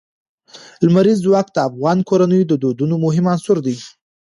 لمریز ځواک د افغان کورنیو د دودونو مهم عنصر دی.